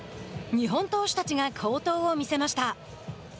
日本投手たちが好投を見せました。